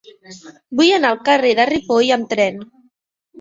Vull anar al carrer de Ripoll amb tren.